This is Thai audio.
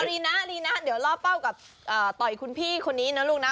รีนะรีนะเดี๋ยวล่อเป้ากับต่อยคุณพี่คนนี้นะลูกนะ